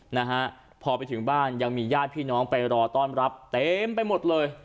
นะฮะพอไปถึงบ้านยังมีญาติพี่น้องไปรอต้อนรับเต็มไปหมดเลย